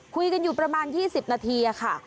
คุยกันอยู่ประมาณ๒๐นาทีค่ะ